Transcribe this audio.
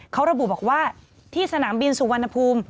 เขาระบุบอกว่าที่สนามบินสุวรรณภูมิ